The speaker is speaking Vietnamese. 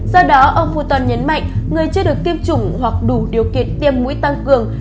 do đó ông putan nhấn mạnh người chưa được tiêm chủng hoặc đủ điều kiện tiêm mũi tăng cường